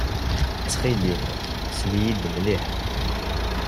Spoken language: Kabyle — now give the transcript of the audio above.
Ttxil-m, sel-iyi-d mliḥ.